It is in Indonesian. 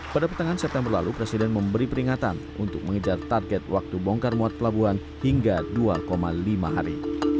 pada pertengahan september lalu presiden memberi peringatan untuk mengejar target waktu bongkar muat pelabuhan hingga dua lima hari